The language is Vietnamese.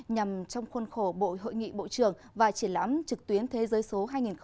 nhằm trong khuôn khổ bộ hội nghị bộ trưởng và triển lãm trực tuyến thế giới số hai nghìn hai mươi